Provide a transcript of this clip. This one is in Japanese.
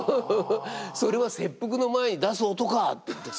「それは切腹の前に出す音か」って言って。